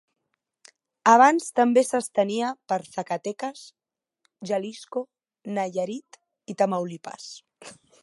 Abans també s'estenia per Zacatecas, Jalisco, Nayarit i Tamaulipas.